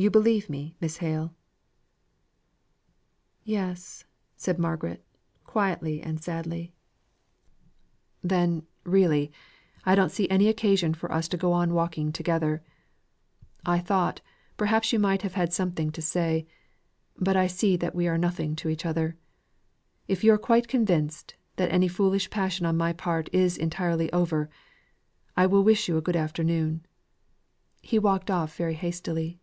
You believe me, Miss Hale?" "Yes," said Margaret, quietly and sadly. "Then, really, I don't see any reason for us to go on walking together. I thought, perhaps, you might have had something to say, but I see we are nothing to each other. If you're quite convinced, that any foolish passion on my part is entirely over, I wish you good afternoon." He walked off very hastily.